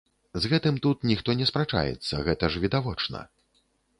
З гэтым тут ніхто не спрачаецца, гэта ж відавочна.